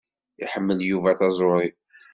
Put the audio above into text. Iḥemmel Yuba taẓuṛi.